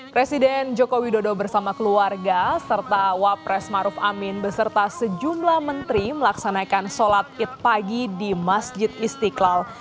presiden joko widodo bersama keluarga serta wapres maruf amin beserta sejumlah menteri melaksanakan sholat id pagi di masjid istiqlal